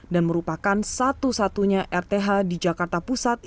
dan merupakan satu satunya rth di jakarta pusat